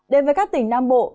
đến với các tỉnh nam bộ